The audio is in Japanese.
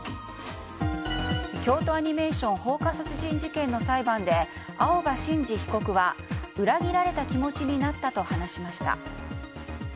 京都アニメーション放火殺人事件の裁判で青葉真司被告は裏切られた気持ちになったと話しました。